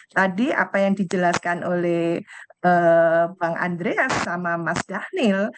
tadi apa yang dijelaskan oleh bang andreas sama mas dhanil